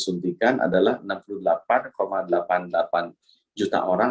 suntikan adalah enam puluh delapan delapan puluh delapan juta orang